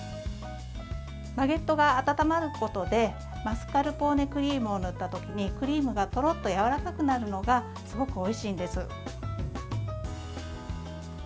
バゲットが温まることでマスカルポーネクリームを塗ったときにクリームがとろっとやわらかくなるのがすごくおいしいんです。